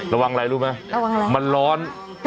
ระวังอะไรรู้ไหมมันร้อน